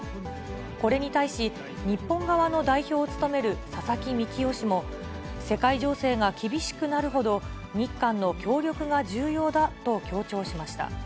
これに対し、日本側の代表を務める佐々木幹夫氏も、世界情勢が厳しくなるほど、日韓の協力が重要だと強調しました。